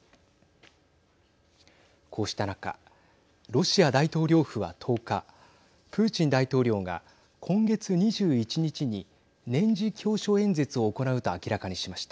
こうした中、ロシア大統領府は１０日プーチン大統領が今月２１日に年次教書演説を行うと明らかにしました。